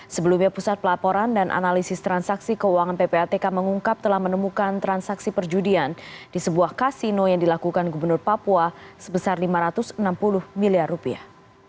sebelumnya pusat pelaporan dan analisis transaksi keuangan ppatk mengungkap telah menemukan transaksi perjudian di sebuah kasino yang dilakukan gubernur papua sebesar lima ratus enam puluh miliar rupiah